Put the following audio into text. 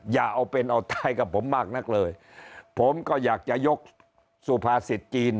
อย่าเอาเป็นเอาตายกับผมมากนักเลยผมก็อยากจะยกสุภาษิตจีน